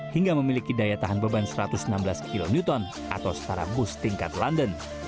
hingga memiliki daya tahan beban satu ratus enam belas kilo new ton atau startup bus tingkat london